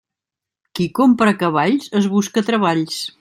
Qui compra cavalls es busca treballs.